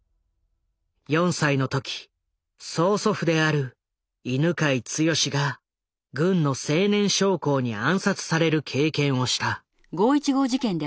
４歳の時曽祖父である犬養毅が軍の青年将校に暗殺される経験をした。